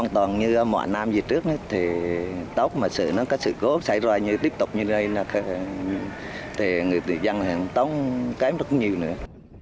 thì tóc mà sợ nó có sự cố xảy ra như tiếp tục như đây là người tự dân tóc kém rất nhiều nữa